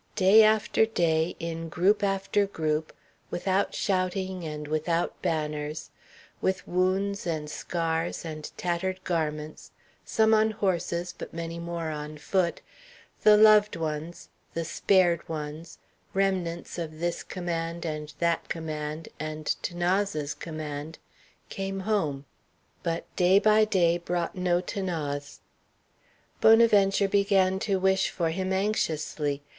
Day after day, in group after group, without shouting and without banners, with wounds and scars and tattered garments, some on horses, but many more on foot, the loved ones the spared ones, remnants of this command and that command and 'Thanase's command came home. But day by day brought no 'Thanase. Bonaventure began to wish for him anxiously.